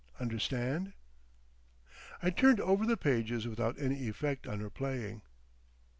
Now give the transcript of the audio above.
Understand?" I turned over the pages without any effect on her playing.